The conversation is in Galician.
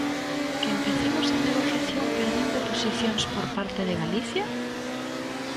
¿Que empecemos a negociación perdendo posicións por parte de Galicia?